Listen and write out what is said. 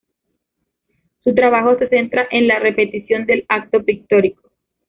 Su trabajo se centra en la repetición del acto pictórico.